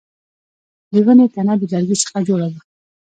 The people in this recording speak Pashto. د ونې تنه د لرګي څخه جوړه ده